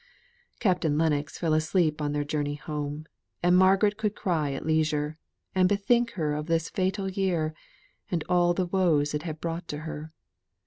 Captain Lennox fell asleep on their journey home; and Margaret could cry at leisure, and bethink her of this fatal year, and all the woes it had brought to her.